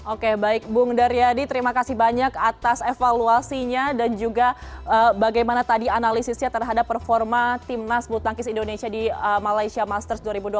oke baik bung daryadi terima kasih banyak atas evaluasinya dan juga bagaimana tadi analisisnya terhadap performa timnas bulu tangkis indonesia di malaysia masters dua ribu dua puluh tiga